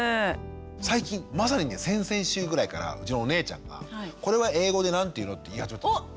最近まさにね先々週ぐらいからうちのお姉ちゃんが「これは英語で何て言うの？」って言い始めたんですよ。